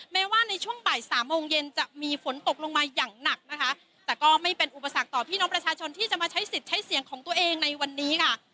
แม้ว่าในช่วงบ่ายสามโมงเย็นจะมีฝนตกลงมาอย่างหนักนะคะแต่ก็ไม่เป็นอุปสรรคต่อพี่น้องประชาชนที่จะมาใช้สิทธิ์ใช้เสียงของตัวเองในวันนี้ค่ะ